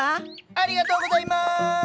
ありがとうございます！